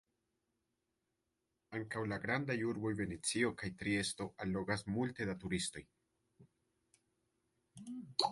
Ankaŭ la grandaj urboj Venecio kaj Triesto allogas multe da turistoj.